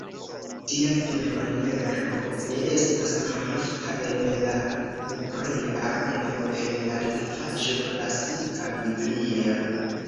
Tia dirmaniero ne estas malofta en la hebrea, almenaŭ en la lingvaĵo klasika, biblia.